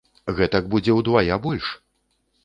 Гэтак будзе ўдвая больш!